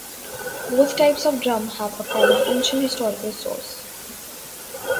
Both types of drum have a common ancient historical source.